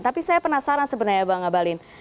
tapi saya penasaran sebenarnya bang abalin